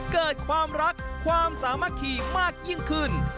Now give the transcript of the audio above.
เกิดความรักความสามัคคีมากยิ่งขึ้น